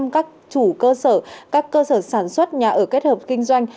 các chủ cơ sở các cơ sở sản xuất nhà ở kết hợp kinh doanh